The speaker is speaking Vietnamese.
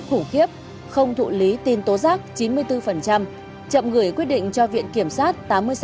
khủng khiếp không thụ lý tin tố giác chín mươi bốn chậm gửi quyết định cho viện kiểm sát tám mươi sáu